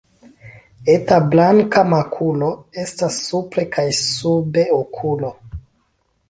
Eta blanka makulo estas supre kaj sube okulo.